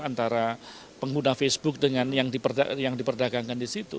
antara pengguna facebook dengan yang diperdagangkan di situ